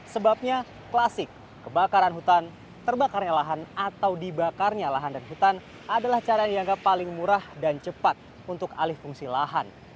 sebabnya klasik kebakaran hutan terbakarnya lahan atau dibakarnya lahan dan hutan adalah cara yang dianggap paling murah dan cepat untuk alih fungsi lahan